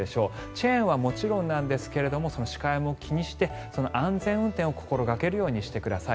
チェーンはもちろんですが視界も気にして安全運転を心掛けるようにしてください。